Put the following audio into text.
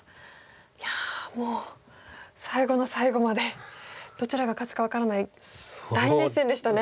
いやもう最後の最後までどちらが勝つか分からない大熱戦でしたね。